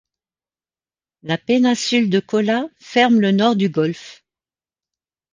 La péninsule de Kola ferme le nord du golfe.